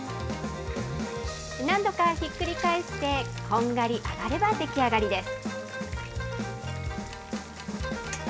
何度かひっくり返して、こんがり揚がれば出来上がりです。